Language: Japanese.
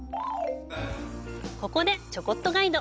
ここで、「ちょこっとガイド」。